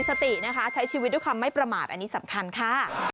เราจะพบกันใหม่นะคะสวัสดีค่ะ